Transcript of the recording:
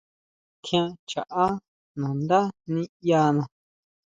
Tjián chaʼá nandá niʼyana.